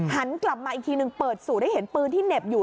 หันกลับมาอีกทีหนึ่งเปิดสู่ได้เห็นปืนที่เหน็บอยู่